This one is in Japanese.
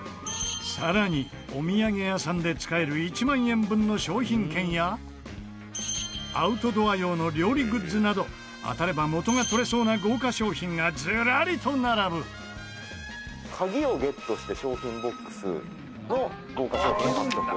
更に、お土産屋さんで使える１万円分の商品券やアウトドア用の料理グッズなど当たれば元が取れそうな豪華賞品が、ずらりと並ぶ千賀：「鍵をゲットして賞品ボックスの豪華賞品を獲得」